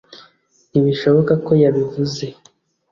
Ntibishoboka ko yabivuze